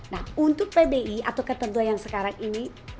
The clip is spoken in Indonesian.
nah untuk pbi atau ketentuan yang sekarang ini